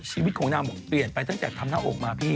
ชีวิตของนางบอกเปลี่ยนไปตั้งแต่ทำหน้าอกมาพี่